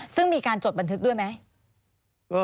ซึ่งมีการจดบันทึกด้วยไหม